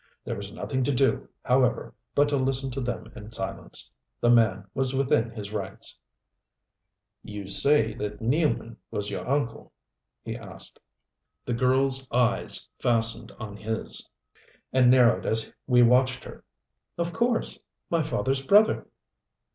There was nothing to do, however, but to listen to them in silence. The man was within his rights. "You say that Nealman was your uncle?" he asked. The girl's eyes fastened on his, and narrowed as we watched her. "Of course. My father's brother."